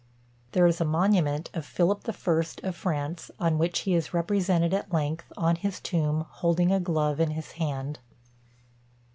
There is a monument of Philip the First of France, on which he is represented at length, on his tomb, holding a glove in his hand.